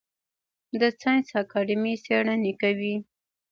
د ساینس اکاډمي څیړنې کوي